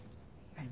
はい。